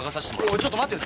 おいちょっと待てよ。